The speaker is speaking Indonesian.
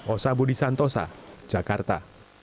osabudi santosa jakarta